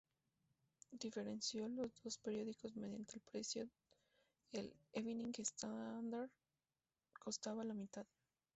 Diferenció los dos periódicos mediante el precio: el "Evening Standard" costaba la mitad.